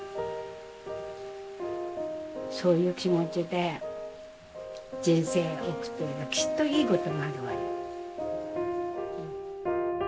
そういう気持ちで人生送ってればきっといいことがあるわよ。